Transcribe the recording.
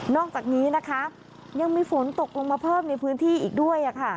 อกจากนี้นะคะยังมีฝนตกลงมาเพิ่มในพื้นที่อีกด้วยค่ะ